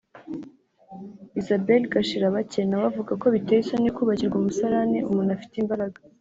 Isabelle Gashirabake na we avuga ko biteye isoni kubakirwa umusarane umuntu afite imbaraga